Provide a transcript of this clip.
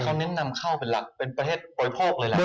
เขานิ้นนำเข้าเป็นประเทศบริโภคเลยแหละ